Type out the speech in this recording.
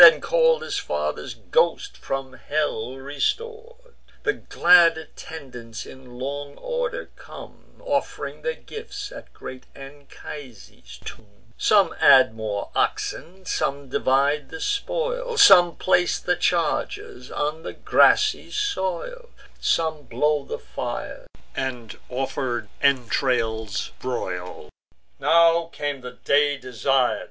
And call'd his father's ghost, from hell restor'd. The glad attendants in long order come, Off'ring their gifts at great Anchises' tomb: Some add more oxen: some divide the spoil; Some place the chargers on the grassy soil; Some blow the fires, and offered entrails broil. Now came the day desir'd.